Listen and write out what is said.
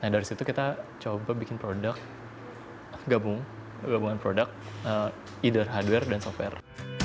dari situ kita coba bikin produk gabungan produk either hardware dan software